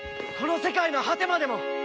この世界の果てまでも！